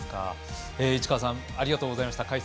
市川さんありがとうございました。